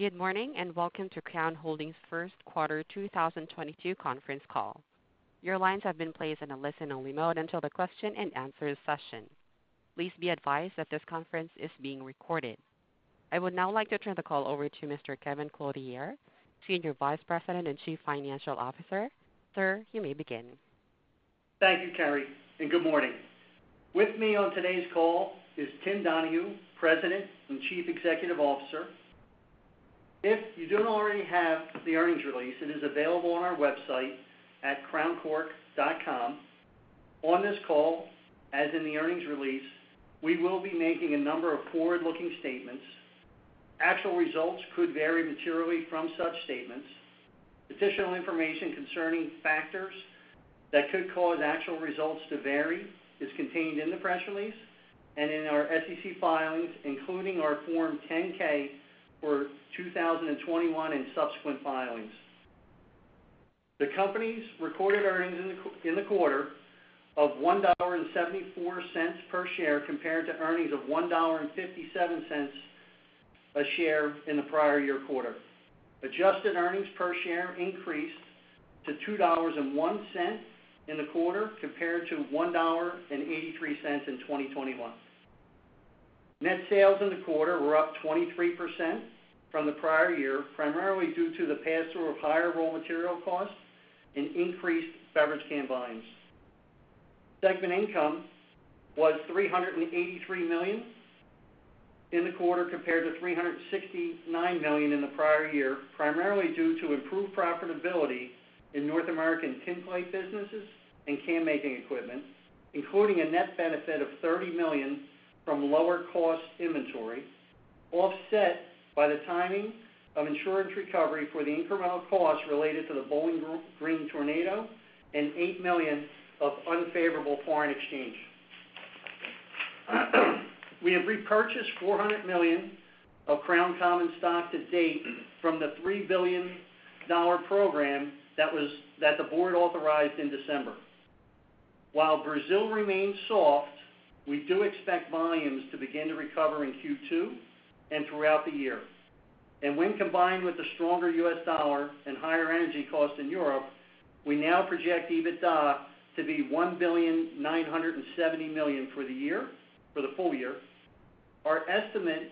Good morning, and welcome to Crown Holdings' first quarter 2022 conference call. Your lines have been placed in a listen-only mode until the question-and-answer session. Please be advised that this conference is being recorded. I would now like to turn the call over to Mr. Kevin Clothier, Senior Vice President and Chief Financial Officer. Sir, you may begin. Thank you, Carrie, and good morning. With me on today's call is Tim Donahue, President and Chief Executive Officer. If you don't already have the earnings release, it is available on our website at crowncork.com. On this call, as in the earnings release, we will be making a number of forward-looking statements. Actual results could vary materially from such statements. Additional information concerning factors that could cause actual results to vary is contained in the press release and in our SEC filings, including our Form 10-K for 2021 and subsequent filings. The company's recorded earnings in the quarter of $1.74 per share compared to earnings of $1.57 a share in the prior year quarter. Adjusted earnings per share increased to $2.01 in the quarter compared to $1.83 in 2021. Net sales in the quarter were up 23% from the prior year, primarily due to the pass-through of higher raw material costs and increased beverage can volumes. Segment income was $383 million in the quarter compared to $369 million in the prior year, primarily due to improved profitability in North American tin plate businesses and can-making equipment, including a net benefit of $30 million from lower cost inventory, offset by the timing of insurance recovery for the incremental cost related to the Bowling Green tornado and $8 million of unfavorable foreign exchange. We have repurchased $400 million of Crown common stock to date from the $3 billion program that the board authorized in December. While Brazil remains soft, we do expect volumes to begin to recover in Q2 and throughout the year. When combined with the stronger U.S. dollar and higher energy costs in Europe, we now project EBITDA to be $1.97 billion for the year, for the full year. Our estimate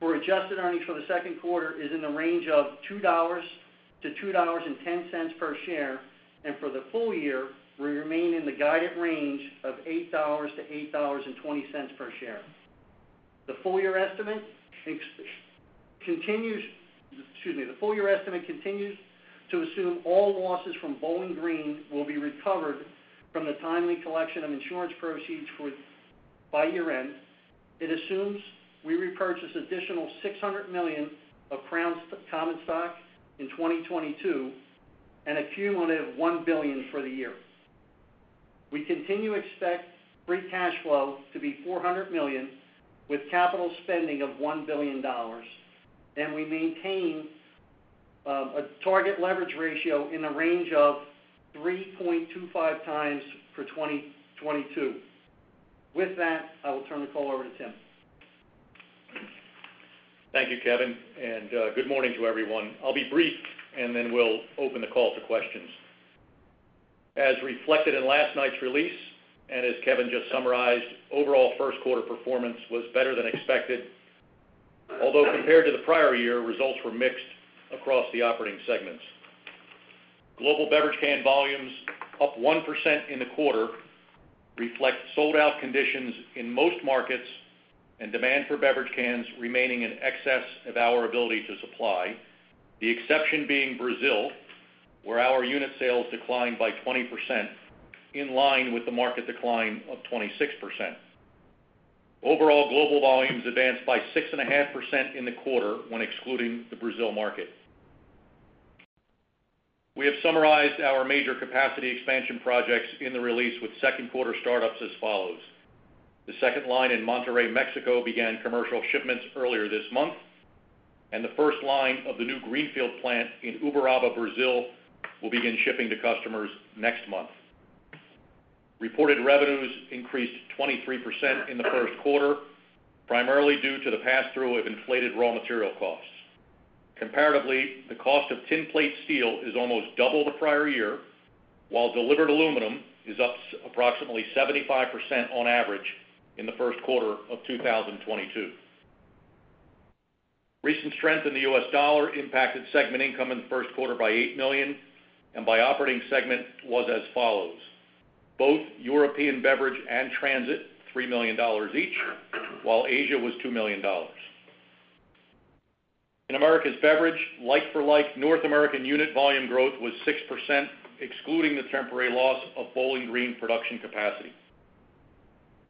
for adjusted earnings for the second quarter is in the range of $2.00-$2.10 per share, and for the full year, we remain in the guided range of $8.00-$8.20 per share. The full year estimate continues to assume all losses from Bowling Green will be recovered from the timely collection of insurance proceeds by year-end. It assumes we repurchase additional $600 million of Crown common stock in 2022 and a cumulative $1 billion for the year. We continue to expect free cash flow to be $400 million with capital spending of $1 billion, and we maintain a target leverage ratio in the range of 3.25x for 2022. With that, I will turn the call over to Tim. Thank you, Kevin, and good morning to everyone. I'll be brief, and then we'll open the call to questions. As reflected in last night's release, and as Kevin just summarized, overall first quarter performance was better than expected, although compared to the prior year, results were mixed across the operating segments. Global beverage can volumes up 1% in the quarter reflect sold-out conditions in most markets and demand for beverage cans remaining in excess of our ability to supply. The exception being Brazil, where our unit sales declined by 20% in line with the market decline of 26%. Overall, global volumes advanced by 6.5% in the quarter when excluding the Brazil market. We have summarized our major capacity expansion projects in the release with second quarter startups as follows. The second line in Monterrey, Mexico began commercial shipments earlier this month, and the first line of the new greenfield plant in Uberaba, Brazil will begin shipping to customers next month. Reported revenues increased 23% in the first quarter, primarily due to the pass-through of inflated raw material costs. Comparatively, the cost of tin plate steel is almost double the prior year, while delivered aluminum is up approximately 75% on average in the first quarter of 2022. Recent strength in the U.S. dollar impacted segment income in the first quarter by $8 million and by operating segment was as follows: Both European Beverage and Transit, $3 million each, while Asia was $2 million. In Americas Beverage, like-for-like North American unit volume growth was 6%, excluding the temporary loss of Bowling Green production capacity.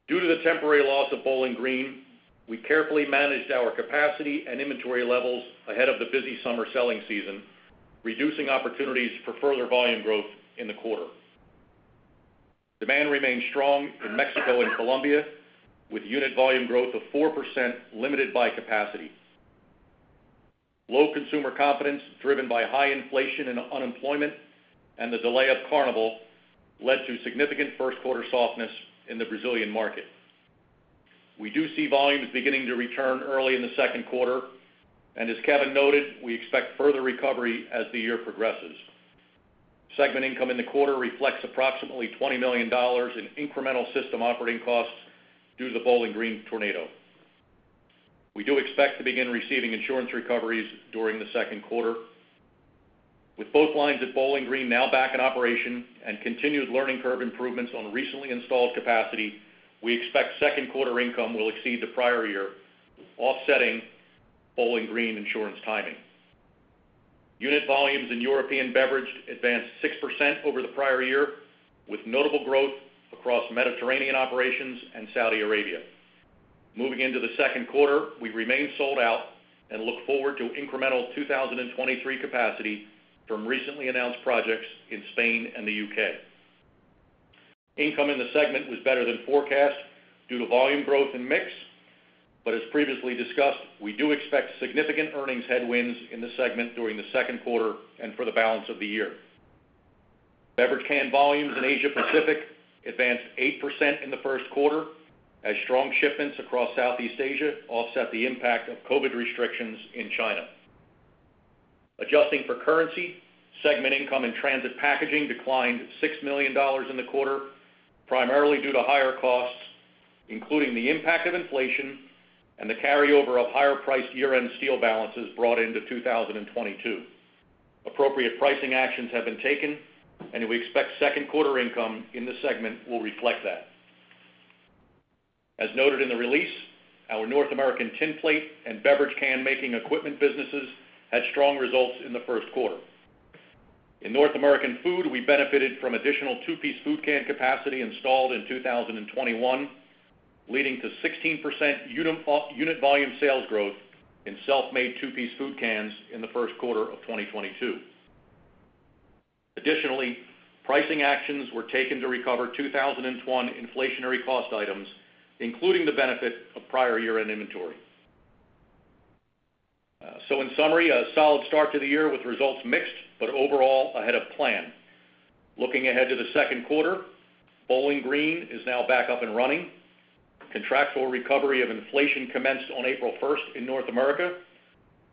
Due to the temporary loss of Bowling Green, we carefully managed our capacity and inventory levels ahead of the busy summer selling season, reducing opportunities for further volume growth in the quarter. Demand remained strong in Mexico and Colombia, with unit volume growth of 4% limited by capacity. Low consumer confidence driven by high inflation and unemployment and the delay of Carnival led to significant first quarter softness in the Brazilian market. We do see volumes beginning to return early in the second quarter, and as Kevin noted, we expect further recovery as the year progresses. Segment income in the quarter reflects approximately $20 million in incremental system operating costs due to Bowling Green tornado. We do expect to begin receiving insurance recoveries during the second quarter. With both lines at Bowling Green now back in operation and continued learning curve improvements on recently installed capacity, we expect second quarter income will exceed the prior year, offsetting Bowling Green insurance timing. Unit volumes in European Beverage advanced 6% over the prior year, with notable growth across Mediterranean operations and Saudi Arabia. Moving into the second quarter, we remain sold out and look forward to incremental 2023 capacity from recently announced projects in Spain and the U.K. Income in the segment was better than forecast due to volume growth and mix. As previously discussed, we do expect significant earnings headwinds in the segment during the second quarter and for the balance of the year. Beverage can volumes in Asia Pacific advanced 8% in the first quarter, as strong shipments across Southeast Asia offset the impact of COVID restrictions in China. Adjusting for currency, segment income in Transit Packaging declined $6 million in the quarter, primarily due to higher costs, including the impact of inflation and the carryover of higher priced year-end steel balances brought into 2022. Appropriate pricing actions have been taken, and we expect second quarter income in this segment will reflect that. As noted in the release, our North American tinplate and beverage can making equipment businesses had strong results in the first quarter. In North American food, we benefited from additional two-piece food can capacity installed in 2021, leading to 16% unit volume sales growth in self-made two-piece food cans in the first quarter of 2022. Additionally, pricing actions were taken to recover 2021 inflationary cost items, including the benefit of prior year-end inventory. In summary, a solid start to the year with results mixed, but overall ahead of plan. Looking ahead to the second quarter, Bowling Green is now back up and running. Contractual recovery of inflation commenced on April first in North America.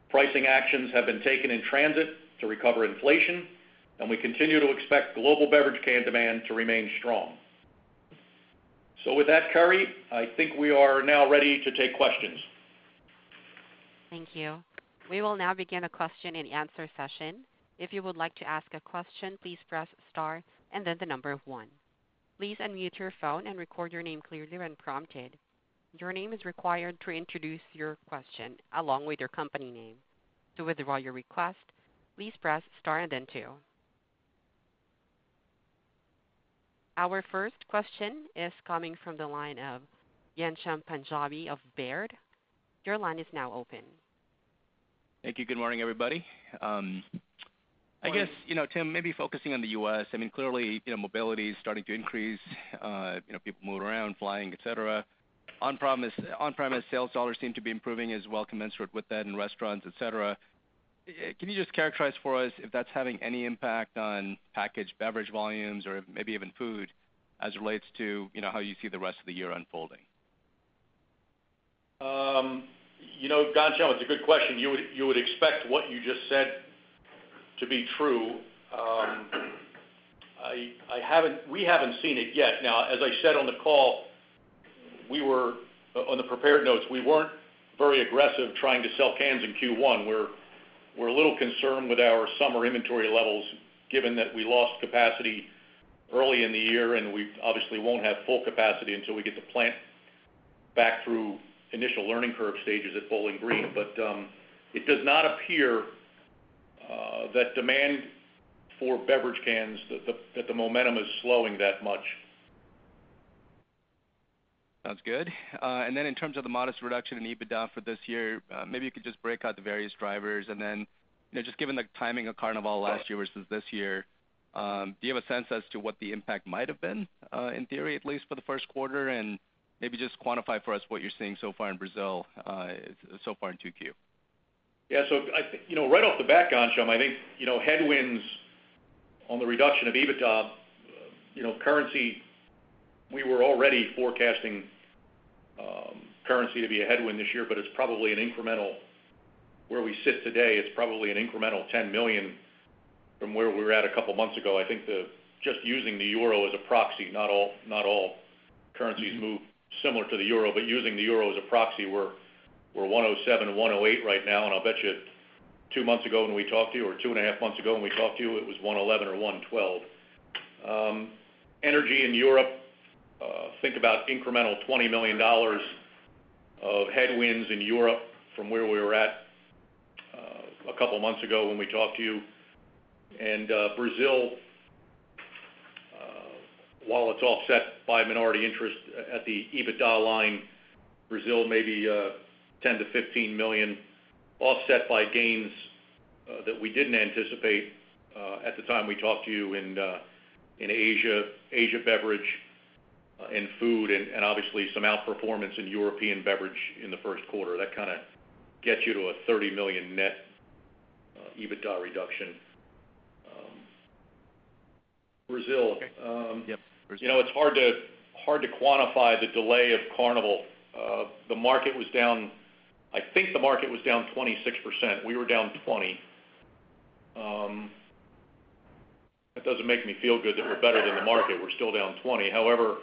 Pricing actions have been taken in transit to recover inflation, and we continue to expect global beverage can demand to remain strong. With that, Carrie, I think we are now ready to take questions. Thank you. We will now begin a question-and-answer session. If you would like to ask a question, please press star and then the number one. Please unmute your phone and record your name clearly when prompted. Your name is required to introduce your question along with your company name. To withdraw your request, please press star and then two. Our first question is coming from the line of Ghansham Panjabi of Baird. Your line is now open. Thank you. Good morning, everybody. I guess, you know, Tim, maybe focusing on the U.S., I mean, clearly, you know, mobility is starting to increase, you know, people moving around, flying, et cetera. On-premise sales dollars seem to be improving as well, commensurate with that in restaurants, et cetera. Can you just characterize for us if that's having any impact on packaged beverage volumes or maybe even food as it relates to, you know, how you see the rest of the year unfolding? You know, Gansham, it's a good question. You would expect what you just said to be true. We haven't seen it yet. Now, as I said on the call, on the prepared notes, we weren't very aggressive trying to sell cans in Q1. We're a little concerned with our summer inventory levels, given that we lost capacity early in the year, and we obviously won't have full capacity until we get the plant back through initial learning curve stages at Bowling Green. It does not appear that demand for beverage cans, that the momentum is slowing that much. Sounds good. In terms of the modest reduction in EBITDA for this year, maybe you could just break out the various drivers. You know, just given the timing of Carnival last year versus this year, do you have a sense as to what the impact might have been, in theory, at least for the first quarter? Maybe just quantify for us what you're seeing so far in Brazil, so far in Q2. Yeah. I think, you know, right off the bat, Ghansham, I think, you know, headwinds on the reduction of EBITDA, you know, currency, we were already forecasting currency to be a headwind this year, but it's probably an incremental $10 million where we sit today, it's probably an incremental $10 million from where we were at a couple months ago. I think just using the euro as a proxy, not all currencies move similar to the euro, but using the euro as a proxy, we're 1.07, 1.08 right now, and I'll bet you two months ago when we talked to you, or two and a half months ago when we talked to you, it was 1.11 or 1.12. Energy in Europe, think about incremental $20 million of headwinds in Europe from where we were at a couple months ago when we talked to you. Brazil, while it's offset by minority interest at the EBITDA line, Brazil may be $10 million-$15 million offset by gains that we didn't anticipate at the time we talked to you in Asia, beverage, in food and obviously some outperformance in European beverage in the first quarter. That kinda gets you to a $30 million net EBITDA reduction. Brazil Okay. Yep, Brazil. You know, it's hard to quantify the delay of Carnival. I think the market was down 26%. We were down 20%. That doesn't make me feel good that we're better than the market. We're still down 20%. However,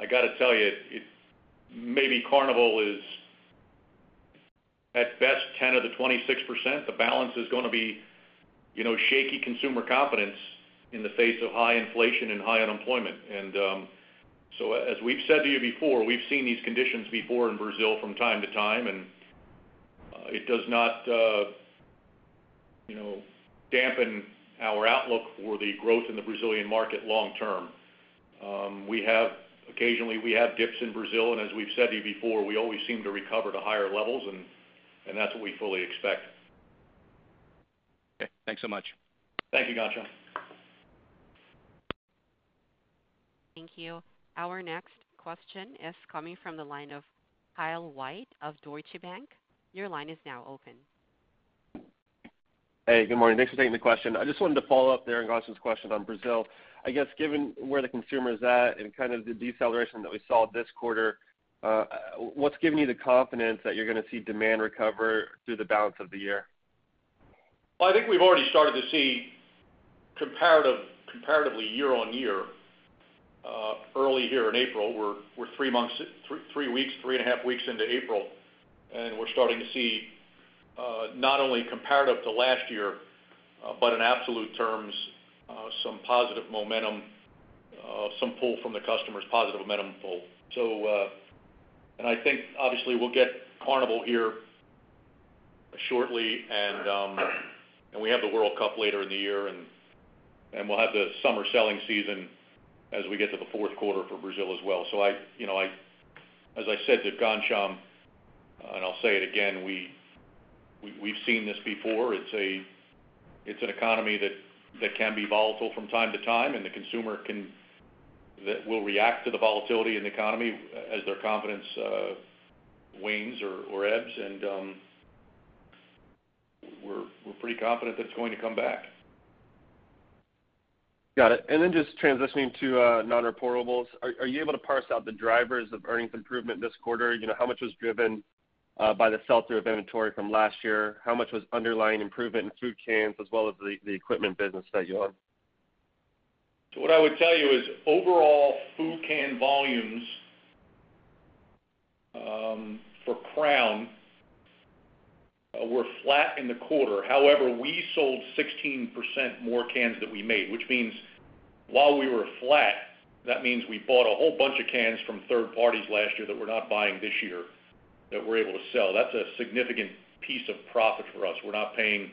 I gotta tell you, maybe Carnival is, at best, 10 of the 26%. The balance is gonna be shaky consumer confidence in the face of high inflation and high unemployment. As we've said to you before, we've seen these conditions before in Brazil from time to time, and it does not dampen our outlook for the growth in the Brazilian market long term. We have Occasionally, we have dips in Brazil, and as we've said to you before, we always seem to recover to higher levels and that's what we fully expect. Okay, thanks so much. Thank you, Ghansham. Thank you. Our next question is coming from the line of Kyle White of Deutsche Bank. Your line is now open. Hey, good morning. Thanks for taking the question. I just wanted to follow up there on Ghansham's question on Brazil. I guess, given where the consumer is at and kind of the deceleration that we saw this quarter, what's giving you the confidence that you're gonna see demand recover through the balance of the year? Well, I think we've already started to see comparatively year-over-year early here in April. We're three and a half weeks into April, and we're starting to see not only comparative to last year, but in absolute terms, some positive momentum, some pull from the customers. I think obviously we'll get Carnival here shortly, and we have the World Cup later in the year, and we'll have the summer selling season as we get to the fourth quarter for Brazil as well. You know, as I said to Ghansham, and I'll say it again, we've seen this before. It's an economy that can be volatile from time to time, and the consumer that will react to the volatility in the economy as their confidence wanes or ebbs. We're pretty confident that it's going to come back. Got it. Then just transitioning to non-reportables. Are you able to parse out the drivers of earnings improvement this quarter? You know, how much was driven by the sell-through of inventory from last year? How much was underlying improvement in food cans as well as the equipment business that you own? What I would tell you is overall food can volumes for Crown were flat in the quarter. However, we sold 16% more cans than we made, which means while we were flat, that means we bought a whole bunch of cans from third parties last year that we're not buying this year, that we're able to sell. That's a significant piece of profit for us. We're not paying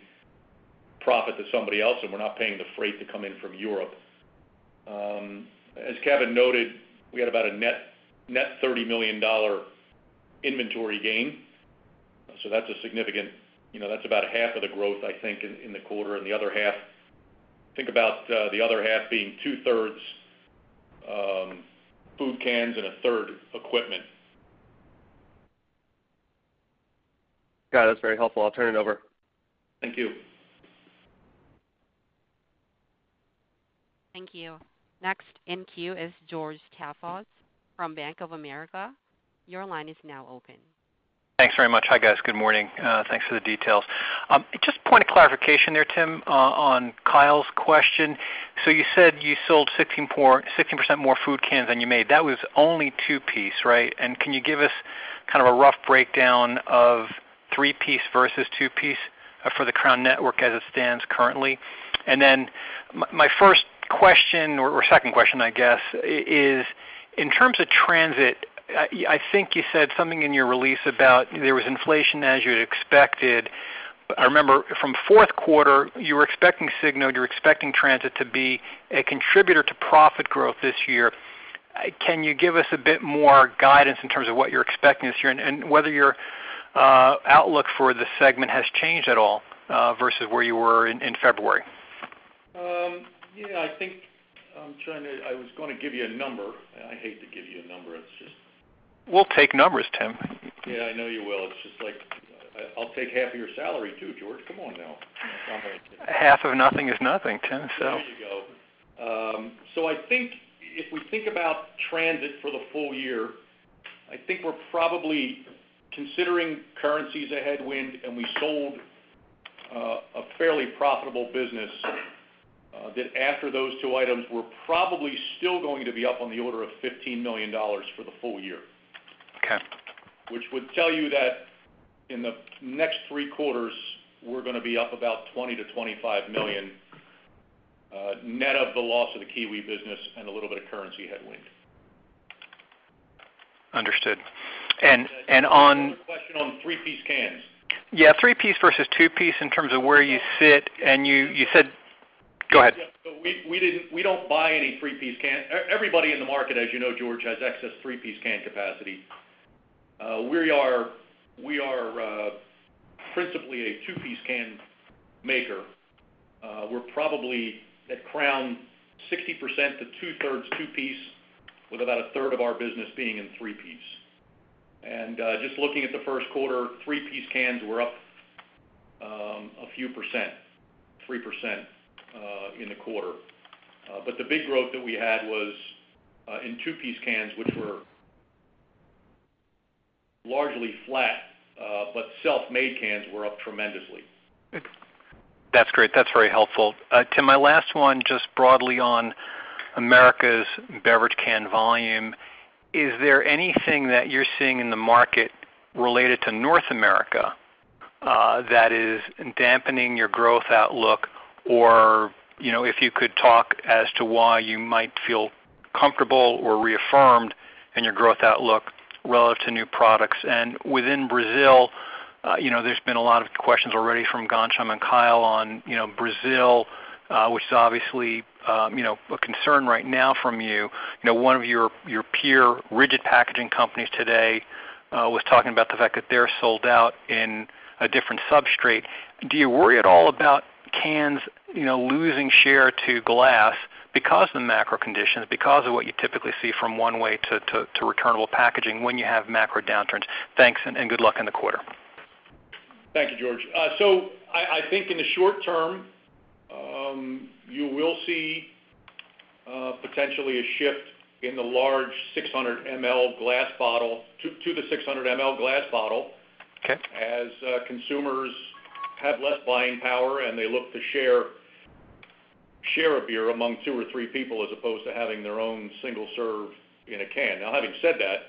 profit to somebody else, and we're not paying the freight to come in from Europe. As Kevin noted, we had about a net $30 million inventory gain. That's a significant, you know, that's about half of the growth, I think, in the quarter, and the other half, think about being two-thirds food cans and a third equipment. Got it. That's very helpful. I'll turn it over. Thank you. Thank you. Next in queue is George Staphos from Bank of America. Your line is now open. Thanks very much. Hi, guys. Good morning. Thanks for the details. Just point of clarification there, Tim, on Kyle's question. You said you sold 16% more food cans than you made. That was only two-piece, right? Can you give us kind of a rough breakdown of three-piece versus two-piece for the Crown network as it stands currently? My first question or second question, I guess, is, in terms of transit, I think you said something in your release about there was inflation as you'd expected. I remember from fourth quarter, you were expecting significant, you're expecting transit to be a contributor to profit growth this year. Can you give us a bit more guidance in terms of what you're expecting this year and whether your outlook for the segment has changed at all, versus where you were in February? Yeah, I was gonna give you a number. I hate to give you a number. It's just. We'll take numbers, Tim. Yeah, I know you will. It's just like, I'll take half of your salary too, George. Come on now. Half of nothing is nothing, Tim, so. There you go. I think if we think about transit for the full year, I think we're probably considering currencies a headwind, and we sold a fairly profitable business that after those two items, we're probably still going to be up on the order of $15 million for the full year. Okay. Which would tell you that in the next three quarters, we're gonna be up about $20 million-$25 million, net of the loss of the Kiwi business and a little bit of currency headwind. Understood. One more question on three-piece cans. Yeah, three-piece versus two-piece in terms of where you sit and you said. Go ahead. We don't buy any three-piece can. Everybody in the market, as you know, George, has excess three-piece can capacity. We are principally a two-piece can maker. We're probably at Crown 60% to 2/3 two-piece, with about a third of our business being in three-piece. Just looking at the first quarter, three-piece cans were up a few percent, 3% in the quarter. The big growth that we had was in two-piece cans which were largely flat, but sleek cans were up tremendously. That's great. That's very helpful. Tim, my last one, just broadly on America's beverage can volume, is there anything that you're seeing in the market related to North America that is dampening your growth outlook? Or, you know, if you could talk as to why you might feel comfortable or reaffirmed in your growth outlook relative to new products. Within Brazil, you know, there's been a lot of questions already from Ghansham and Kyle on, you know, Brazil, which is obviously a concern right now from you. You know, one of your peer rigid packaging companies today was talking about the fact that they're sold out in a different substrate. Do you worry at all about cans, you know, losing share to glass because of the macro conditions, because of what you typically see from one-way to returnable packaging when you have macro downturns? Thanks, and good luck in the quarter. Thank you, George. I think in the short term, you will see potentially a shift in the large 600 ml glass bottle to the 600 ml glass bottle. Okay... as consumers have less buying power, and they look to share a beer among two or three people as opposed to having their own single serve in a can. Now, having said that,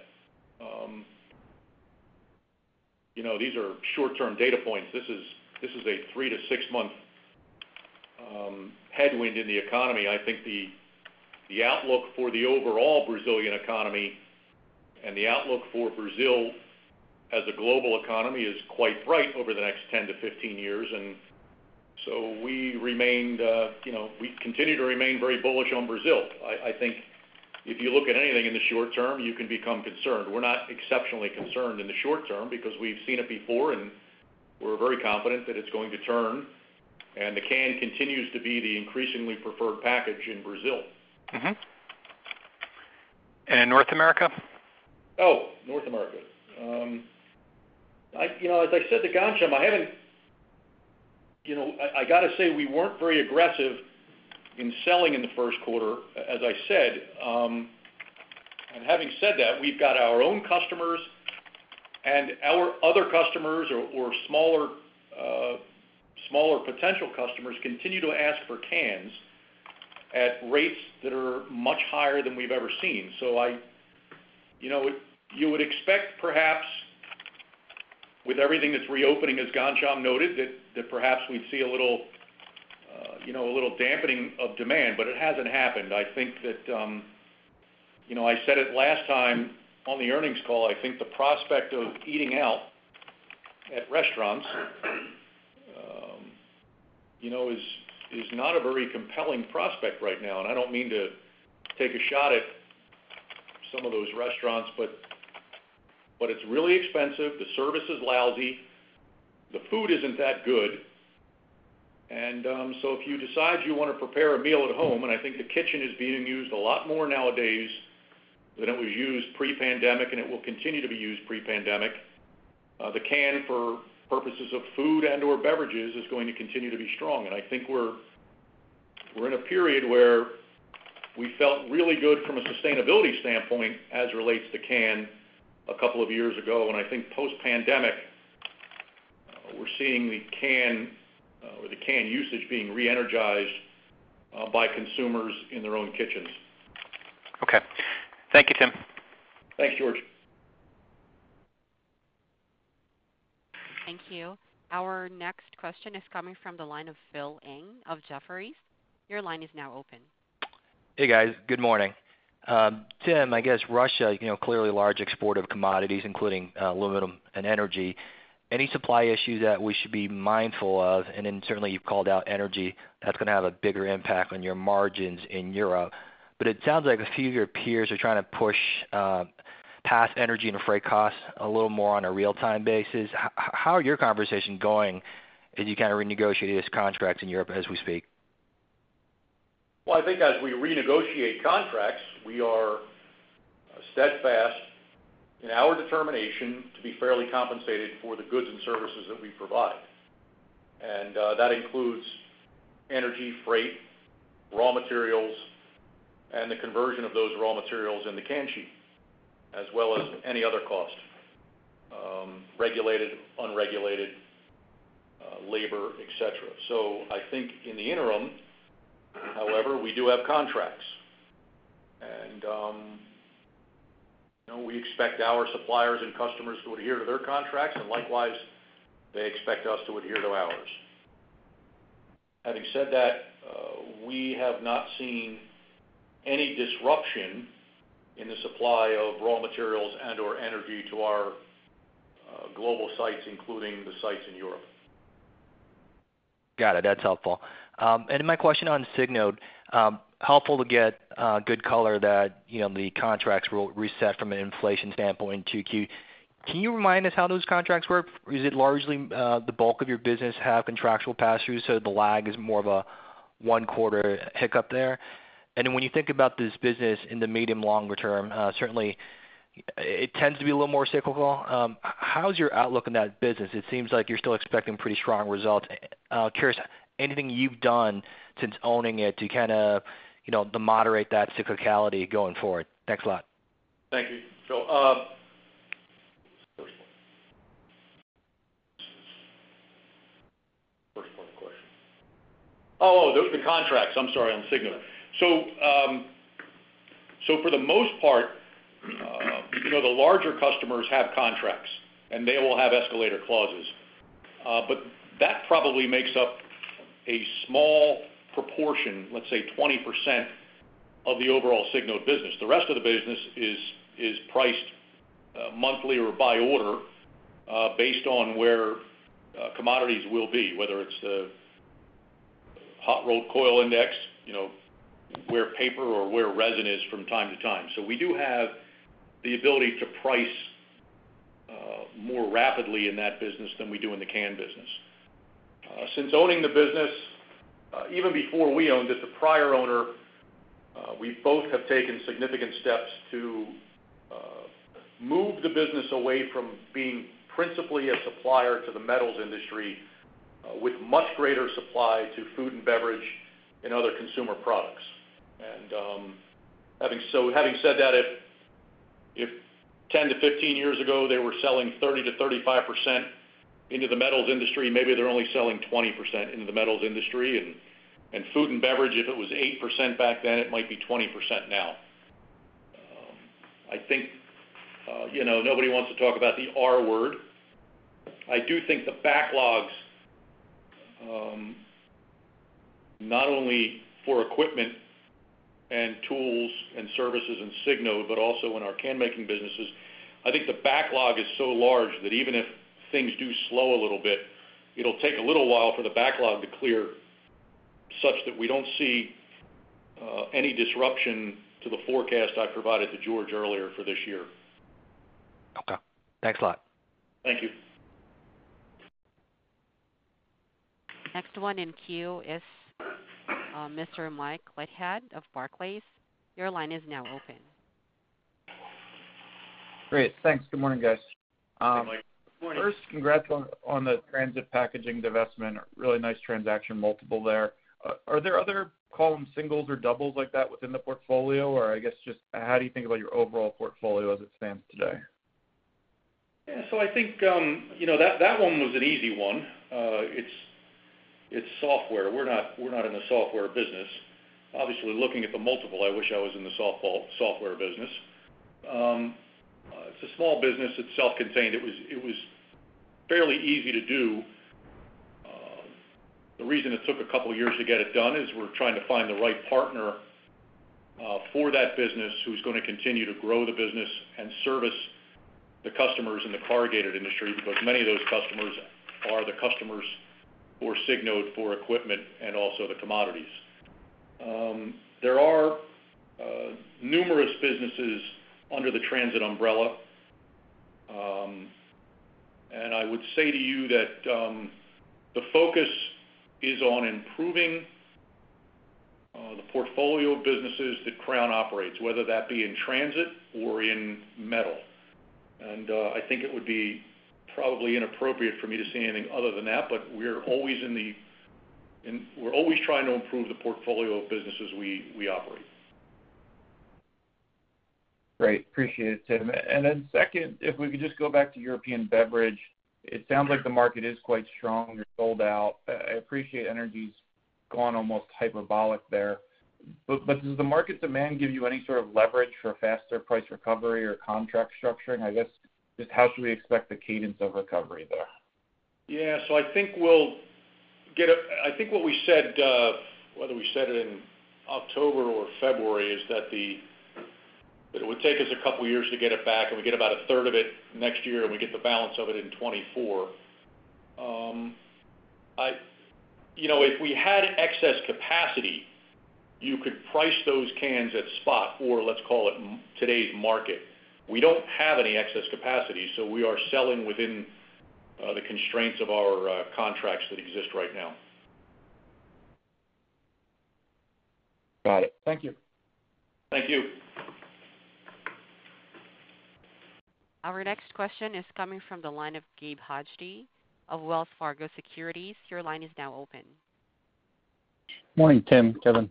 you know, these are short-term data points. This is a three- to six-month headwind in the economy. I think the outlook for the overall Brazilian economy and the outlook for Brazil as a global economy is quite bright over the next 10-15 years. We remained, you know, we continue to remain very bullish on Brazil. I think if you look at anything in the short term, you can become concerned. We're not exceptionally concerned in the short term because we've seen it before, and we're very confident that it's going to turn, and the can continues to be the increasingly preferred package in Brazil. North America? Oh, North America. I, you know, as I said to Ghansham, I haven't, you know, I gotta say we weren't very aggressive in selling in the first quarter, as I said. Having said that, we've got our own customers and our other customers or smaller potential customers continue to ask for cans at rates that are much higher than we've ever seen. I, you know, you would expect perhaps with everything that's reopening, as Ghansham noted, that perhaps we'd see a little, you know, a little dampening of demand, but it hasn't happened. I think that, you know, I said it last time on the earnings call, I think the prospect of eating out at restaurants, you know, is not a very compelling prospect right now. I don't mean to take a shot at some of those restaurants, but it's really expensive. The service is lousy. The food isn't that good. If you decide you wanna prepare a meal at home, and I think the kitchen is being used a lot more nowadays than it was used pre-pandemic, and it will continue to be used pre-pandemic, the can for purposes of food and/or beverages is going to continue to be strong. I think we're in a period where we felt really good from a sustainability standpoint as relates to can a couple of years ago, and I think post-pandemic, we're seeing the can, or the can usage being re-energized, by consumers in their own kitchens. Okay. Thank you, Tim. Thanks, George. Thank you. Our next question is coming from the line of Phil Ng of Jefferies. Your line is now open. Hey, guys. Good morning. Tim, I guess Russia, you know, clearly a large export of commodities, including aluminum and energy. Any supply issues that we should be mindful of? Certainly you've called out energy, that's gonna have a bigger impact on your margins in Europe, but it sounds like a few of your peers are trying to push past energy and freight costs a little more on a real-time basis. How are your conversations going as you kinda renegotiate these contracts in Europe as we speak? Well, I think as we renegotiate contracts, we are steadfast in our determination to be fairly compensated for the goods and services that we provide. That includes energy, freight, raw materials, and the conversion of those raw materials in the can sheet, as well as any other cost, regulated, unregulated, labor, et cetera. I think in the interim, however, we do have contracts. You know, we expect our suppliers and customers to adhere to their contracts, and likewise, they expect us to adhere to ours. Having said that, we have not seen any disruption in the supply of raw materials and/or energy to our global sites, including the sites in Europe. Got it. That's helpful. My question on Signode. Helpful to get good color that, you know, the contracts will reset from an inflation standpoint in 2Q. Can you remind us how those contracts work? Is it largely, the bulk of your business have contractual pass-throughs, so the lag is more of a one-quarter hiccup there? When you think about this business in the medium longer term, certainly it tends to be a little more cyclical. How is your outlook on that business? It seems like you're still expecting pretty strong results. I'm curious, anything you've done since owning it to kinda, you know, moderate that cyclicality going forward. Thanks a lot. Thank you. First question. Oh, those are the contracts, I'm sorry, on Signode. For the most part, you know, the larger customers have contracts, and they will have escalator clauses. That probably makes up a small proportion, let's say 20% of the overall Signode business. The rest of the business is priced monthly or by order based on where commodities will be, whether it's the hot-rolled coil index, you know, where paper or where resin is from time to time. We do have the ability to price more rapidly in that business than we do in the can business. Since owning the business, even before we owned it, the prior owner, we both have taken significant steps to move the business away from being principally a supplier to the metals industry, with much greater supply to food and beverage and other consumer products. Having said that, if 10-15 years ago they were selling 30%-35% into the metals industry, maybe they're only selling 20% into the metals industry. Food and beverage, if it was 8% back then, it might be 20% now. I think, you know, nobody wants to talk about the R word. I do think the backlogs, not only for equipment and tools and services in Signode, but also in our can-making businesses. I think the backlog is so large that even if things do slow a little bit, it'll take a little while for the backlog to clear such that we don't see any disruption to the forecast I provided to George earlier for this year. Okay. Thanks a lot. Thank you. Next one in queue is, Mr. Mike Leithead of Barclays. Your line is now open. Great. Thanks. Good morning, guys. Hey, Mike. Good morning. First, congrats on the Transit Packaging divestment. Really nice transaction multiple there. Are there other column singles or doubles like that within the portfolio? Or I guess just how do you think about your overall portfolio as it stands today? I think, you know, that one was an easy one. It's software. We're not in the software business. Obviously, looking at the multiple, I wish I was in the software business. It's a small business. It's self-contained. It was fairly easy to do. The reason it took a couple of years to get it done is we're trying to find the right partner for that business who's gonna continue to grow the business and service the customers in the corrugated industry, because many of those customers are the customers for Signode, for equipment and also the commodities. There are numerous businesses under the Transit umbrella. I would say to you that the focus is on improving the portfolio of businesses that Crown operates, whether that be in Transit or in metal. I think it would be probably inappropriate for me to say anything other than that, but we're always trying to improve the portfolio of businesses we operate. Great. Appreciate it, Tim. Second, if we could just go back to European Beverage, it sounds like the market is quite strong. You're sold out. I appreciate energy's gone almost hyperbolic there. But does the market demand give you any sort of leverage for faster price recovery or contract structuring? I guess, just how should we expect the cadence of recovery there? I think what we said, whether we said it in October or February, is that it would take us a couple of years to get it back, and we get about 1/3 of it next year, and we get the balance of it in 2024. You know, if we had excess capacity, you could price those cans at spot or let's call it M today's market. We don't have any excess capacity, so we are selling within the constraints of our contracts that exist right now. Got it. Thank you. Thank you. Our next question is coming from the line of Gabe Hajde of Wells Fargo Securities. Your line is now open. Morning, Tim, Kevin.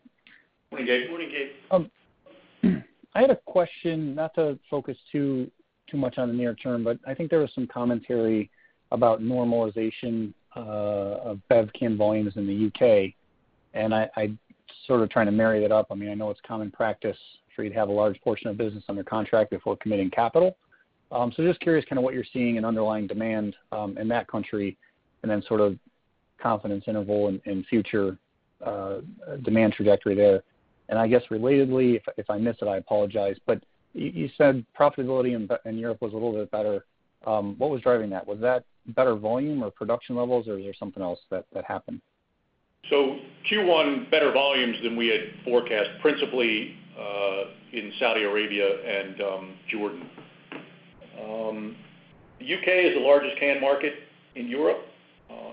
Morning, Gabe. Morning, Gabe. I had a question, not to focus too much on the near term, but I think there was some commentary about normalization of bev can volumes in the U.K., and I sort of trying to marry that up. I mean, I know it's common practice for you to have a large portion of business under contract before committing capital. So just curious kinda what you're seeing in underlying demand in that country and then sort of confidence interval in future demand trajectory there. I guess relatedly, if I missed it, I apologize, but you said profitability in Europe was a little bit better. What was driving that? Was that better volume or production levels, or is there something else that happened? Q1, better volumes than we had forecast, principally in Saudi Arabia and Jordan. The U.K. is the largest can market in Europe.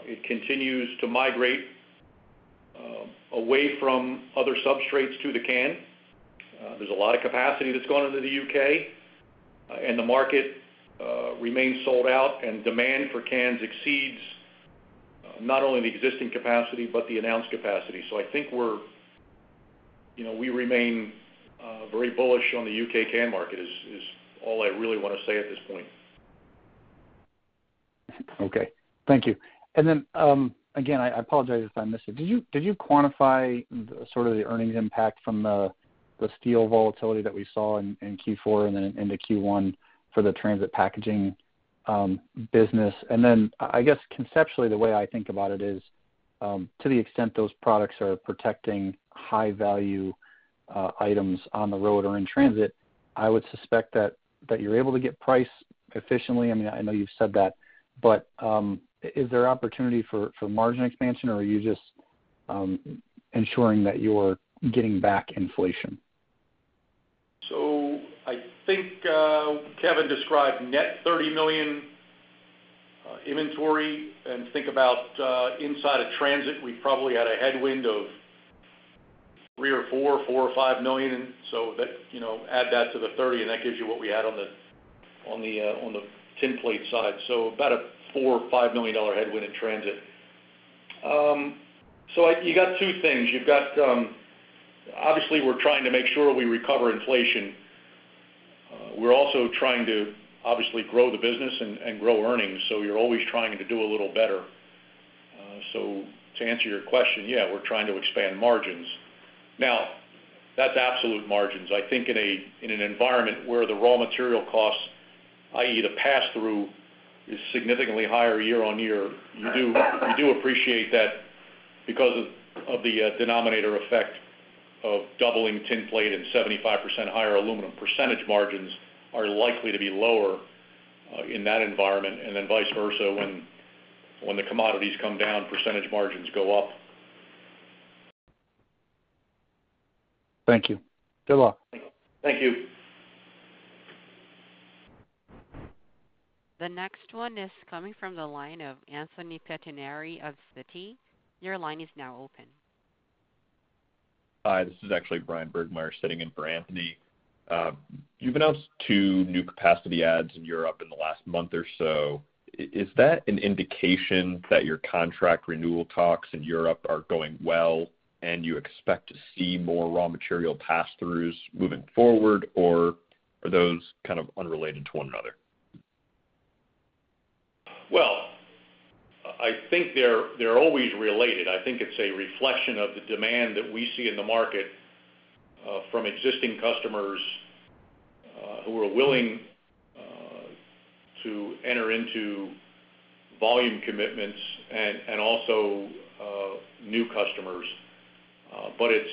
It continues to migrate away from other substrates to the can. There's a lot of capacity that's gone into the U.K., and the market remains sold out, and demand for cans exceeds not only the existing capacity but the announced capacity. I think we're, you know, we remain very bullish on the U.K. can market is all I really wanna say at this point. Okay. Thank you. Again, I apologize if I missed it. Did you quantify the sort of the earnings impact from the steel volatility that we saw in Q4 and then into Q1 for the Transit Packaging business? I guess conceptually, the way I think about it is, to the extent those products are protecting high value items on the road or in transit, I would suspect that you're able to get price efficiently. I mean, I know you've said that, but is there opportunity for margin expansion, or are you just ensuring that you're getting back inflation? I think Kevin described net $30 million inventory. Think about inside of transit, we probably had a headwind of $3 million-$5 million. That add that to the 30, and that gives you what we had on the tin plate side. About a $4 million-$5 million headwind in transit. You've got two things. Obviously, we're trying to make sure we recover inflation. We're also trying to obviously grow the business and grow earnings, so you're always trying to do a little better. To answer your question, yeah, we're trying to expand margins. Now, that's absolute margins. I think in an environment where the raw material costs, i.e. The pass-through is significantly higher year-on-year. You do appreciate that because of the denominator effect of doubling tin plate and 75% higher aluminum, percentage margins are likely to be lower in that environment. Then vice versa, when the commodities come down, percentage margins go up. Thank you. Good luck. Thank you. The next one is coming from the line of Anthony Pettinari of Citi. Your line is now open. Hi, this is actually Bryan Burgmeier sitting in for Anthony. You've announced two new capacity adds in Europe in the last month or so. Is that an indication that your contract renewal talks in Europe are going well and you expect to see more raw material pass-throughs moving forward, or are those kind of unrelated to one another? Well, I think they're always related. I think it's a reflection of the demand that we see in the market from existing customers who are willing to enter into volume commitments and also new customers. But it's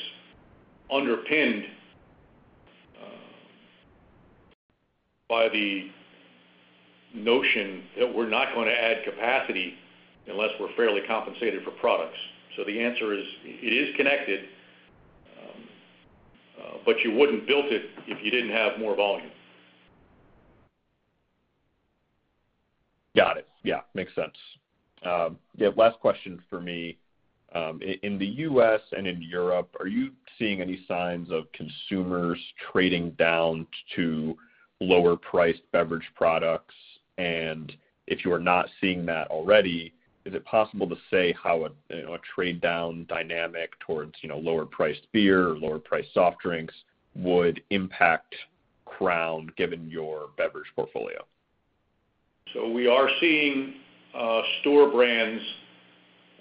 underpinned by the notion that we're not gonna add capacity unless we're fairly compensated for products. The answer is, it is connected, but you wouldn't build it if you didn't have more volume. Got it. Yeah. Makes sense. Yeah, last question for me. In the U.S. and in Europe, are you seeing any signs of consumers trading down to lower priced beverage products? And if you are not seeing that already, is it possible to say how a, you know, a trade down dynamic towards, you know, lower priced beer or lower priced soft drinks would impact Crown given your beverage portfolio? We are seeing store brands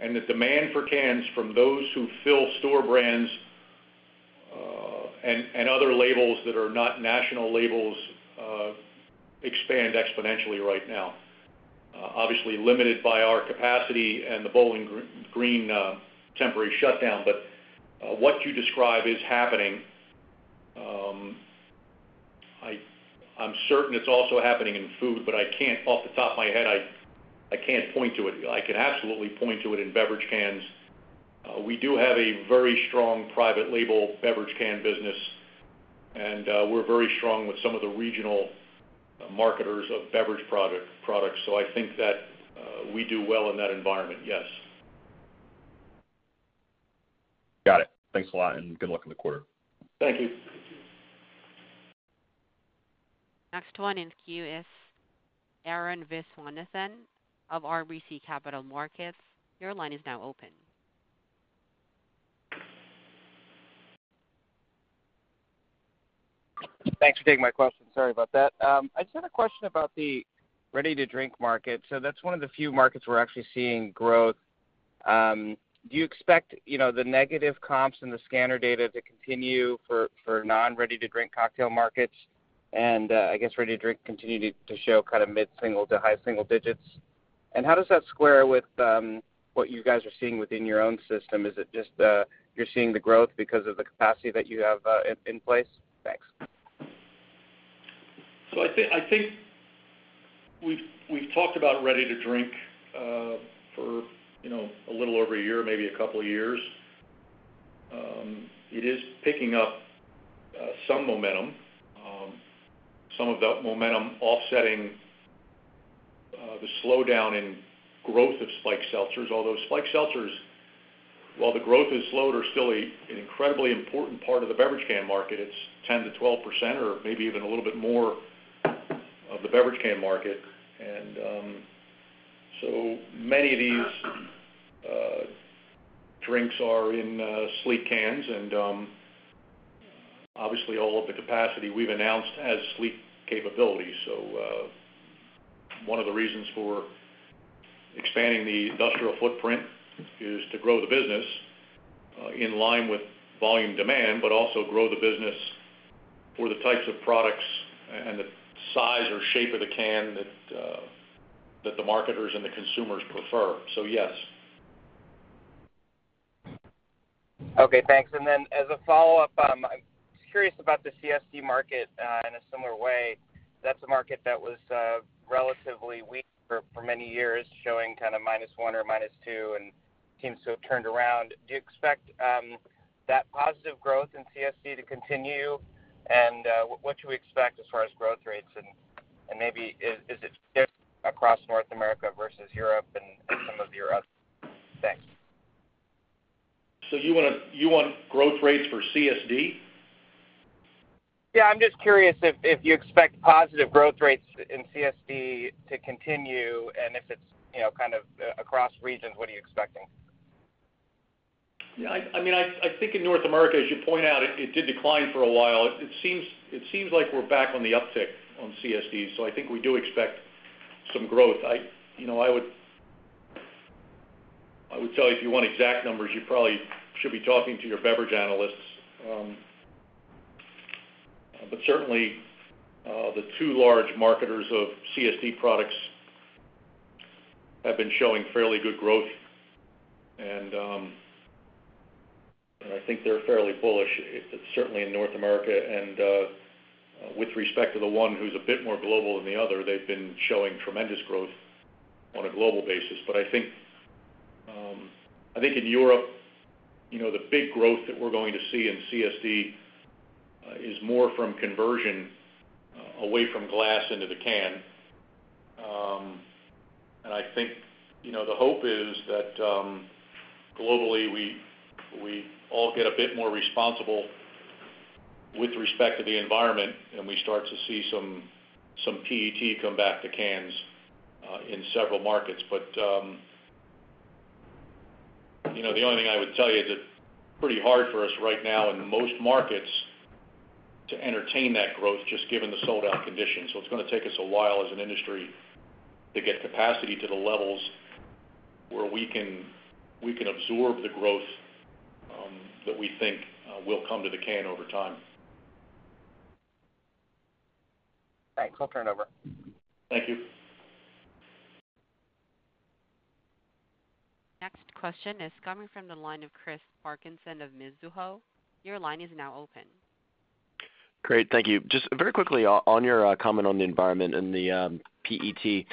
and the demand for cans from those who fill store brands, and other labels that are not national labels, expand exponentially right now. Obviously limited by our capacity and the Bowling Green temporary shutdown, but what you describe is happening. I'm certain it's also happening in food, but I can't, off the top of my head, point to it. I can absolutely point to it in beverage cans. We do have a very strong private label beverage can business, and we're very strong with some of the regional marketers of beverage products. I think that we do well in that environment, yes. Got it. Thanks a lot, and good luck in the quarter. Thank you. Next one in queue is Arun Viswanathan of RBC Capital Markets. Your line is now open. Thanks for taking my question. Sorry about that. I just had a question about the ready to drink market. That's one of the few markets we're actually seeing growth. Do you expect, you know, the negative comps and the scanner data to continue for non-ready to drink cocktail markets? I guess ready to drink continue to show kind of mid-single to high single digits? How does that square with what you guys are seeing within your own system? Is it just you're seeing the growth because of the capacity that you have in place? Thanks. I think we've talked about ready to drink for you know a little over a year, maybe a couple years. It is picking up some momentum, some of the momentum offsetting the slowdown in growth of spiked seltzers. Although spiked seltzers, while the growth has slowed, are still an incredibly important part of the beverage can market. It's 10%-12% or maybe even a little bit more of the beverage can market. So many of these drinks are in sleek cans. Obviously, all of the capacity we've announced has sleek capabilities. One of the reasons for expanding the industrial footprint is to grow the business, in line with volume demand, but also grow the business for the types of products and the size or shape of the can that the marketers and the consumers prefer. Yes. Okay, thanks. As a follow-up, I'm curious about the CSD market in a similar way. That's a market that was relatively weak for many years, showing kind of -1% or -2%, and seems to have turned around. Do you expect that positive growth in CSD to continue? What do we expect as far as growth rates? And maybe is it different across North America versus Europe and some of your other things? You want growth rates for CSD? Yeah. I'm just curious if you expect positive growth rates in CSD to continue, and if it's, you know, kind of across regions, what are you expecting? Yeah. I mean, I think in North America, as you point out, it did decline for a while. It seems like we're back on the uptick on CSD, so I think we do expect some growth. You know, I would tell you if you want exact numbers, you probably should be talking to your beverage analysts. But certainly, the two large marketers of CSD products have been showing fairly good growth. I think they're fairly bullish, certainly in North America. With respect to the one who's a bit more global than the other, they've been showing tremendous growth on a global basis. But I think in Europe, you know, the big growth that we're going to see in CSD is more from conversion away from glass into the can. I think, you know, the hope is that globally, we all get a bit more responsible with respect to the environment, and we start to see some PET come back to cans in several markets. You know, the only thing I would tell you is it's pretty hard for us right now in most markets to entertain that growth just given the sold-out conditions. It's gonna take us a while as an industry to get capacity to the levels where we can absorb the growth that we think will come to the can over time. Thanks. I'll turn it over. Thank you. Next question is coming from the line of Chris Parkinson of Mizuho. Your line is now open. Great. Thank you. Just very quickly, on your comment on the environment and the PET.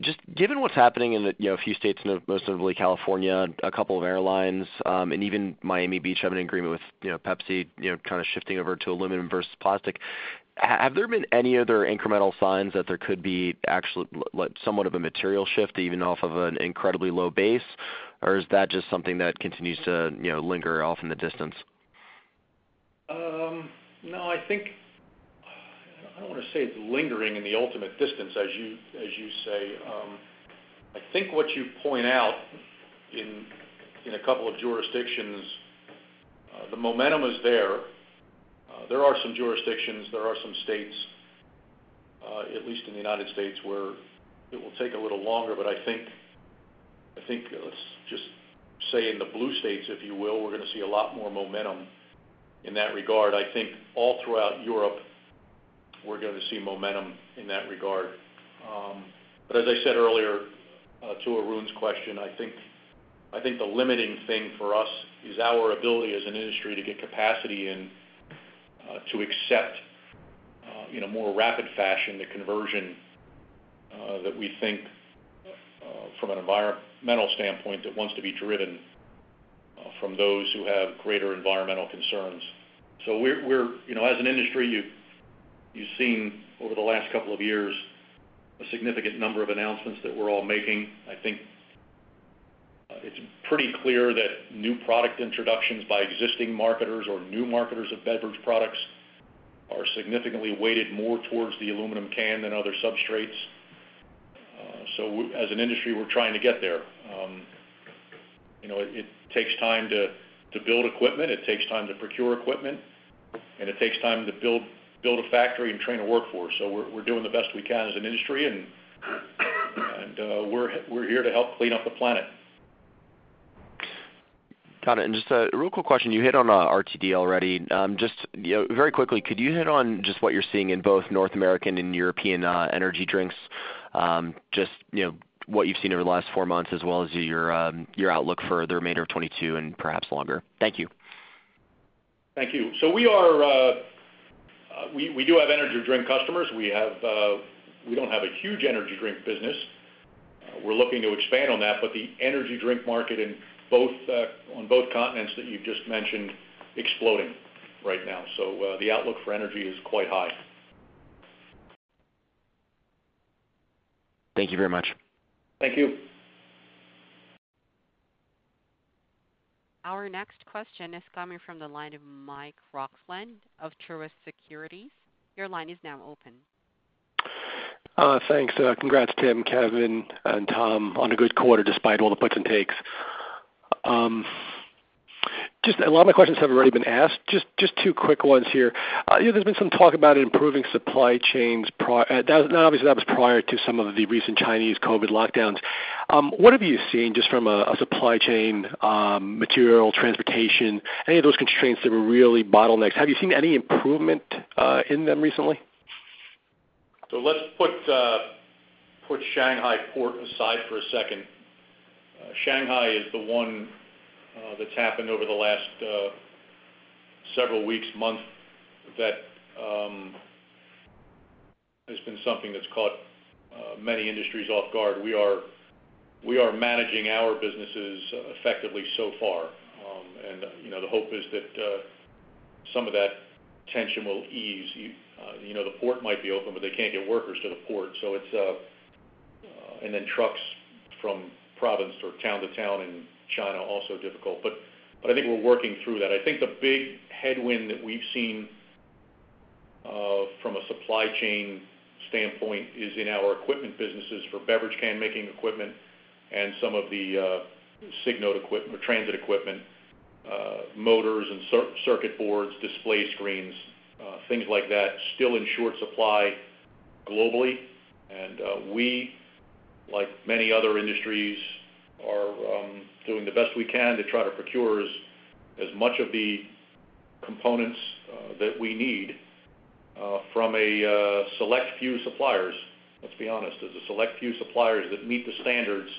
Just given what's happening in the, you know, a few states, most notably California, a couple of airlines, and even Miami Beach have an agreement with, you know, Pepsi, you know, kind of shifting over to aluminum versus plastic. Have there been any other incremental signs that there could be actual, like, somewhat of a material shift even off of an incredibly low base? Or is that just something that continues to, you know, linger off in the distance? No, I think I don't wanna say it's lingering in the ultimate distance, as you say. I think what you point out in a couple of jurisdictions, the momentum is there. There are some jurisdictions, there are some states, at least in the United States, where it will take a little longer. But I think, let's just say in the blue states, if you will, we're gonna see a lot more momentum in that regard. I think all throughout Europe we're gonna see momentum in that regard. As I said earlier, to Arun's question, I think the limiting thing for us is our ability as an industry to get capacity and to accept in a more rapid fashion the conversion that we think from an environmental standpoint that wants to be driven from those who have greater environmental concerns. So we're you know as an industry you've seen over the last couple of years a significant number of announcements that we're all making. I think it's pretty clear that new product introductions by existing marketers or new marketers of beverage products are significantly weighted more towards the aluminum can than other substrates. So as an industry, we're trying to get there. You know, it takes time to build equipment. It takes time to procure equipment. It takes time to build a factory and train a workforce. We're doing the best we can as an industry, and we're here to help clean up the planet. Got it. Just a real quick question. You hit on RTD already. Just, you know, very quickly, could you hit on just what you're seeing in both North American and European energy drinks? Just, you know, what you've seen over the last four months as well as your outlook for the remainder of 2022 and perhaps longer? Thank you. Thank you. We do have energy drink customers. We don't have a huge energy drink business. We're looking to expand on that, but the energy drink market on both continents that you just mentioned, exploding right now. The outlook for energy is quite high. Thank you very much. Thank you. Our next question is coming from the line of Michael Roxland of Truist Securities. Your line is now open. Thanks. Congrats, Tim, Kevin, and Tom, on a good quarter despite all the puts and takes. Just a lot of my questions have already been asked. Just two quick ones here. You know, there's been some talk about improving supply chains. That was obviously prior to some of the recent Chinese COVID lockdowns. What have you seen just from a supply chain, material transportation, any of those constraints that were really bottlenecks? Have you seen any improvement in them recently? Let's put Shanghai port aside for a second. Shanghai is the one that's happened over the last several weeks or a month that has been something that's caught many industries off guard. We are managing our businesses effectively so far. You know, the hope is that some of that tension will ease. You know, the port might be open, but they can't get workers to the port, and then trucks from province to province or town to town in China also difficult. I think we're working through that. I think the big headwind that we've seen from a supply chain standpoint is in our equipment businesses for beverage can making equipment and some of the Signode or transit equipment, motors and circuit boards, display screens, things like that, still in short supply globally. We, like many other industries, are doing the best we can to try to procure as much of the components that we need from a select few suppliers. Let's be honest. There's a select few suppliers that meet the standards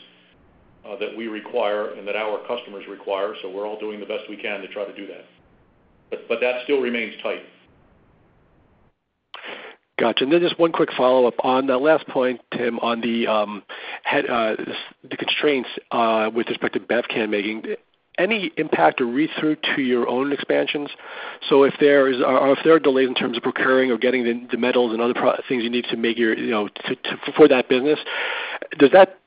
that we require and that our customers require, so we're all doing the best we can to try to do that. That still remains tight. Gotcha. Just one quick follow-up. On that last point, Tim, on the headwinds, the constraints with respect to bev can making, any impact or read-through to your own expansions? If there is, or if there are delays in terms of procuring or getting the metals and other things you need to make your, you know, to for that business, does that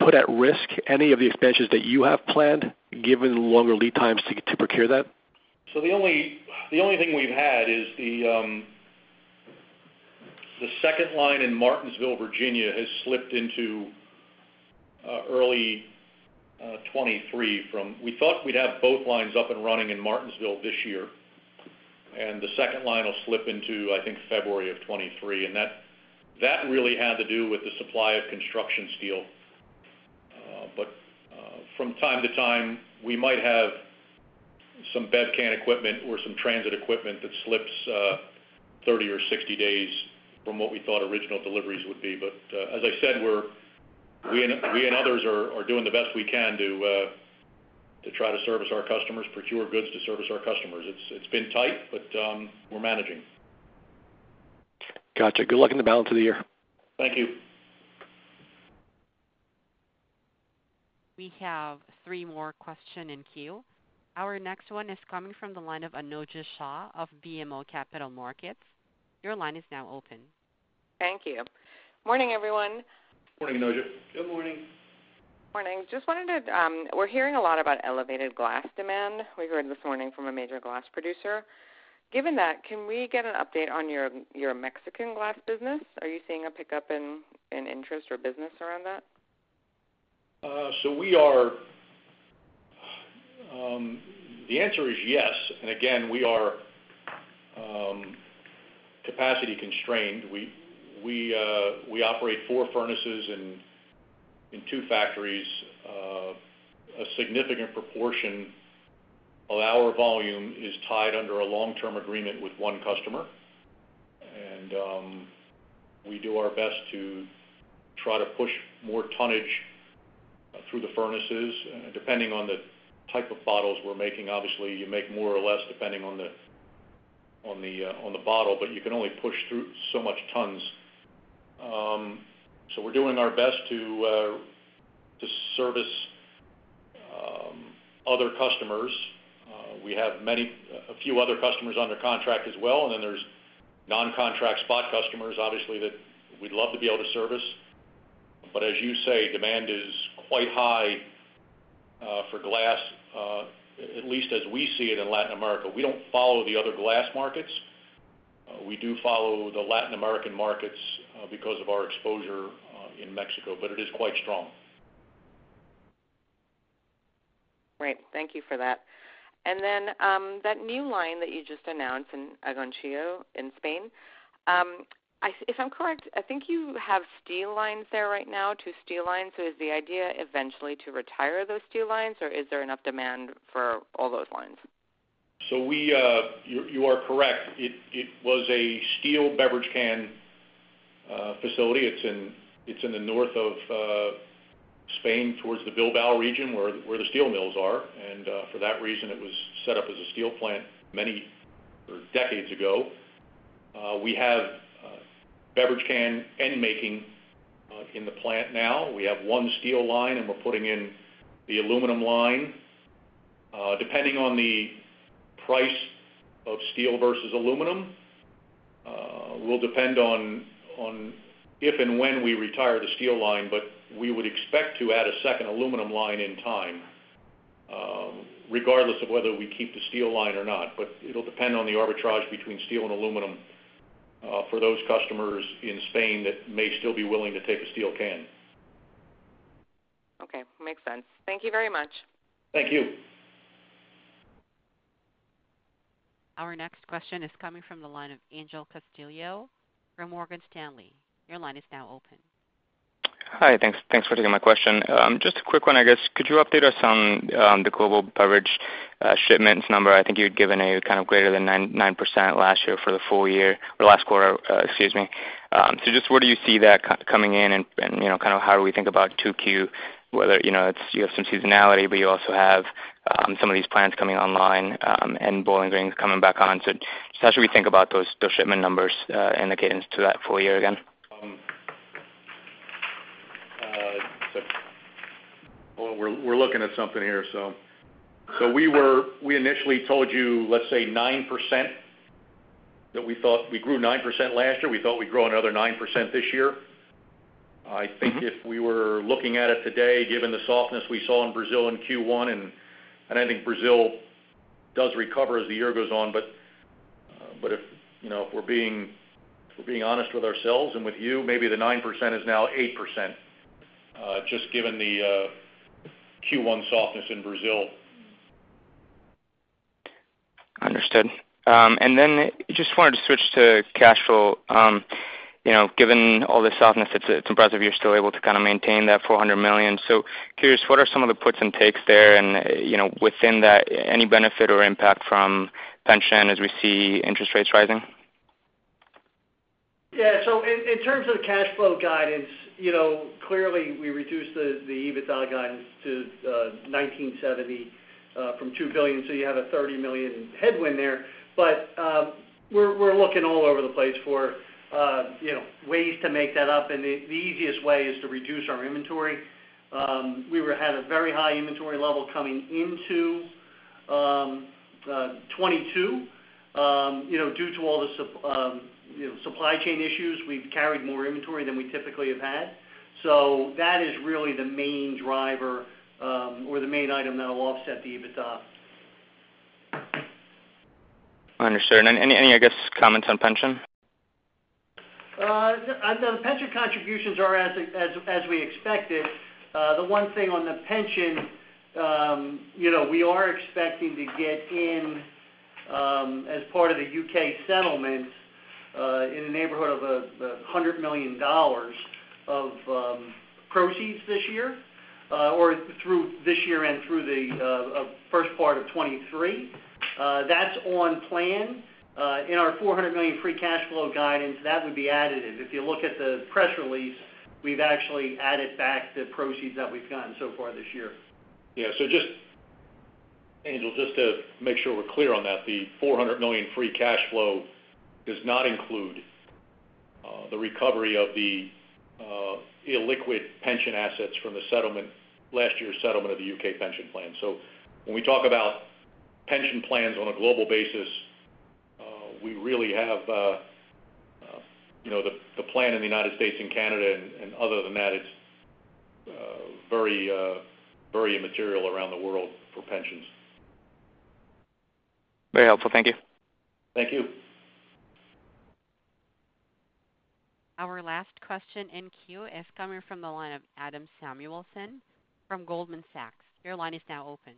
put at risk any of the expansions that you have planned, given longer lead times to procure that? The only thing we've had is the second line in Martinsville, Virginia, has slipped into early 2023 from we thought we'd have both lines up and running in Martinsville this year, and the second line will slip into, I think, February of 2023. That really had to do with the supply of construction steel. From time to time, we might have some bev can equipment or some transit equipment that slips 30 or 60 days from what we thought original deliveries would be. As I said, we and others are doing the best we can to try to service our customers, procure goods to service our customers. It's been tight, but we're managing. Gotcha. Good luck in the balance of the year. Thank you. We have three more questions in queue. Our next one is coming from the line of Anojja Shah of BMO Capital Markets. Your line is now open. Thank you. Morning, everyone. Morning, Anojja. Good morning. Morning. Just wanted to, we're hearing a lot about elevated glass demand. We heard this morning from a major glass producer. Given that, can we get an update on your Mexican glass business? Are you seeing a pickup in interest or business around that? We are. The answer is yes. Again, we are capacity constrained. We operate four furnaces in two factories. A significant proportion of our volume is tied under a long-term agreement with one customer. We do our best to try to push more tonnage through the furnaces, depending on the type of bottles we're making. Obviously, you make more or less depending on the bottle, but you can only push through so much tons. We're doing our best to service other customers. We have a few other customers under contract as well, and then there's non-contract spot customers, obviously, that we'd love to be able to service. As you say, demand is quite high for glass, at least as we see it in Latin America. We don't follow the other glass markets. We do follow the Latin American markets because of our exposure in Mexico, but it is quite strong. Great. Thank you for that. That new line that you just announced in Agoncillo, Spain, if I'm correct, I think you have steel lines there right now, two steel lines. Is the idea eventually to retire those steel lines, or is there enough demand for all those lines? You are correct. It was a steel beverage can facility. It's in the north of Spain towards the Bilbao region where the steel mills are. For that reason, it was set up as a steel plant many decades ago. We have beverage can end making in the plant now. We have one steel line, and we're putting in the aluminum line. Depending on the price of steel versus aluminum will depend on if and when we retire the steel line, but we would expect to add a second aluminum line in time, regardless of whether we keep the steel line or not. It'll depend on the arbitrage between steel and aluminum for those customers in Spain that may still be willing to take a steel can. Okay. Makes sense. Thank you very much. Thank you. Our next question is coming from the line of Angel Castillo from Morgan Stanley. Your line is now open. Hi. Thanks for taking my question. Just a quick one, I guess. Could you update us on the global beverage shipments number? I think you'd given a kind of greater than 9% last year for the full year, or last quarter, excuse me. So just where do you see that coming in and, you know, kind of how do we think about Q2, whether, you know, it's you have some seasonality, but you also have some of these plants coming online and Bowling Green coming back on. So just how should we think about those shipment numbers in the cadence to that full year again? Just hold on. We're looking at something here. We initially told you, let's say 9% that we thought. We grew 9% last year. We thought we'd grow another 9% this year. Mm-hmm. I think if we were looking at it today, given the softness we saw in Brazil in Q1, I think Brazil does recover as the year goes on. You know, if we're being honest with ourselves and with you, maybe the 9% is now 8%, just given the Q1 softness in Brazil. Understood. Just wanted to switch to cash flow. You know, given all the softness, it's impressive you're still able to kind of maintain that $400 million. Curious, what are some of the puts and takes there? You know, within that, any benefit or impact from pension as we see interest rates rising? In terms of cash flow guidance, you know, clearly we reduced the EBITDA guidance to $1.97 billion from $2 billion. You have a $30 million headwind there. We're looking all over the place for, you know, ways to make that up, and the easiest way is to reduce our inventory. We had a very high inventory level coming into 2022. You know, due to all the supply chain issues, we've carried more inventory than we typically have had. That is really the main driver or the main item that'll offset the EBITDA. Understood. Any, I guess, comments on pension? The pension contributions are as we expected. The one thing on the pension, you know, we are expecting to get in, as part of the U.K. settlement, in the neighborhood of $100 million of proceeds this year, or through this year and through the first part of 2023. That's on plan. In our $400 million free cash flow guidance, that would be additive. If you look at the press release, we've actually added back the proceeds that we've gotten so far this year. Yeah. Angel, just to make sure we're clear on that, the $400 million free cash flow does not include the recovery of the illiquid pension assets from the settlement, last year's settlement of the U.K. pension plan. When we talk about pension plans on a global basis, we really have, you know, the plan in the United States and Canada. Other than that, it's very immaterial around the world for pensions. Very helpful. Thank you. Thank you. Our last question in queue is coming from the line of Adam Samuelson from Goldman Sachs. Your line is now open.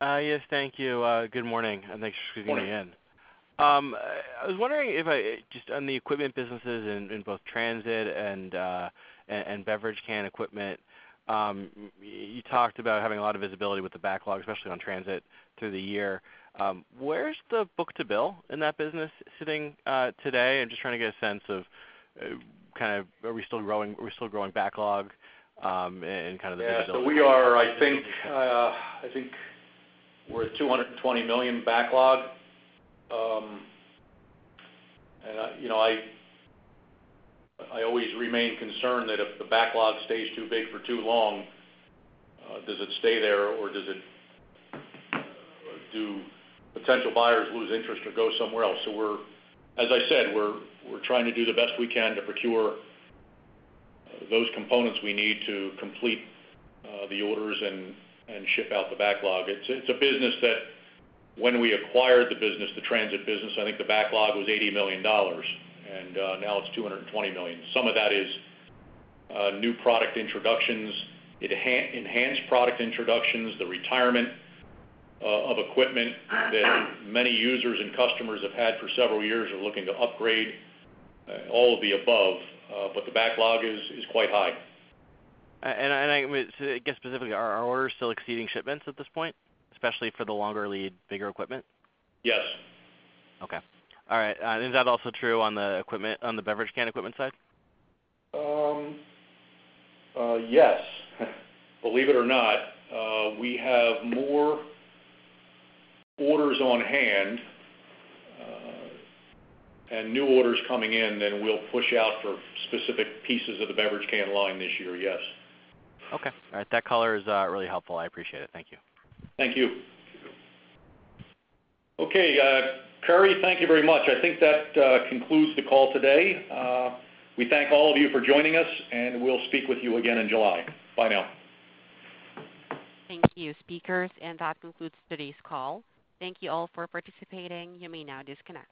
Yes, thank you. Good morning, and thanks for squeezing me in. Morning. I was wondering just on the equipment businesses in both transit and beverage can equipment, you talked about having a lot of visibility with the backlog, especially on transit through the year. Where's the book to bill in that business sitting today? I'm just trying to get a sense of kind of are we still growing backlog and kind of the visibility. I think we're at $220 million backlog. You know, I always remain concerned that if the backlog stays too big for too long, does it stay there or do potential buyers lose interest or go somewhere else? As I said, we're trying to do the best we can to procure those components we need to complete the orders and ship out the backlog. It's a business that when we acquired the business, the transit business, I think the backlog was $80 million, and now it's $220 million. Some of that is new product introductions, enhanced product introductions, the retirement of equipment that many users and customers have had for several years are looking to upgrade, all of the above. The backlog is quite high. So I guess specifically, are orders still exceeding shipments at this point, especially for the longer lead, bigger equipment? Yes. Okay. All right. Is that also true on the equipment, on the beverage can equipment side? Yes. Believe it or not, we have more orders on hand, and new orders coming in than we'll push out for specific pieces of the beverage can line this year. Yes. Okay. All right. That color is really helpful. I appreciate it. Thank you. Thank you. Okay. Carrie, thank you very much. I think that concludes the call today. We thank all of you for joining us, and we'll speak with you again in July. Bye now. Thank you, speakers, and that concludes today's call. Thank you all for participating. You may now disconnect.